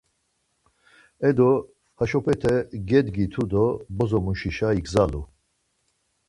Edo, heşopete gedgitu do bozo muşişa igzalu.